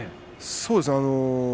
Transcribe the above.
そうですね。